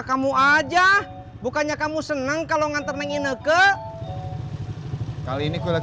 ambil aja kembaliannya